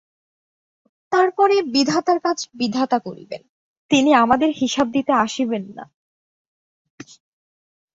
তার পরে বিধাতার কাজ বিধাতা করিবেন, তিনি আমাদের হিসাব দিতে আসিবেন না।